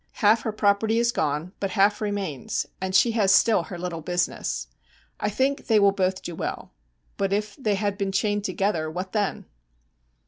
Half her property is gone, but half remains, and she has still her little business. I think they will both do well. But if they had been chained together, what then?